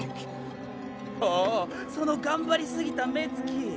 おおそのガンバリすぎた目つき。